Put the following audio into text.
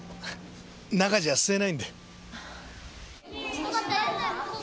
中じゃ吸えないんで。